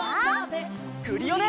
クリオネ！